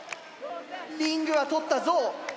リングは取ったゾウ。